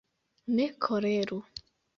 Ne koleru!